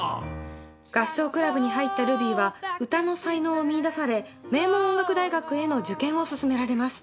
合唱クラブに入ったルビーは歌の才能を見いだされ名門音楽大学への受験を勧められます。